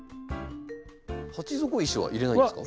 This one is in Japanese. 鉢底石は入れないんですか？